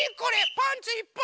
パンツいっぱい。